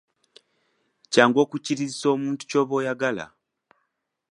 Kyangu okukkirizisa omuntu ky'oba oyagala.